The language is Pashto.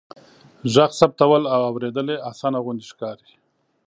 ږغ ثبتول او اوریدل يې آسانه غوندې ښکاري.